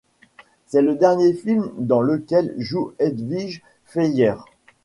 C'est le dernier film dans lequel joue Edwige Feuillère.